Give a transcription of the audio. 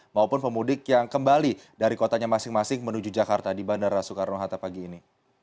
maupun pemudik yang kembali dari kotanya masing masing menuju jakarta di bandara soekarno hatta pagi ini